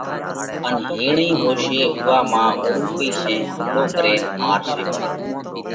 ان ھيڻئِي ھوشي اُوئا مانھ ٻۯُوڪئِي شين حملو ڪرينَ مارشي پرئِي